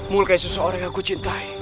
melukai seseorang yang aku cintai